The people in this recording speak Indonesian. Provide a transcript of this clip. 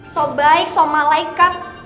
so baik so malaikat